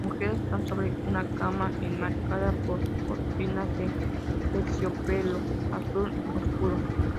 Las mujeres están sobre una cama, enmarcada por cortinas de terciopelo azul oscuro.